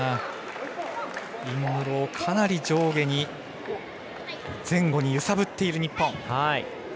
尹夢ろをかなり前後に揺さぶっている日本。